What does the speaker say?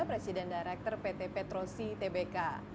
presiden director pt petrosi tbk